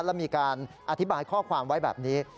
แล้วมีการอธิบายข้อความไว้แบบนี้